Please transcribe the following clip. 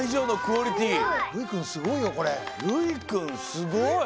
すごい。